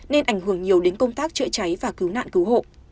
nên ảnh hưởng nhiều đến công tác chữa cháy và cứu nạn cứu hộ